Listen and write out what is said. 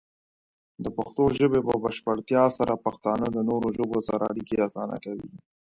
د پښتو ژبې په بشپړتیا سره، پښتانه د نورو ژبو سره اړیکې اسانه کوي.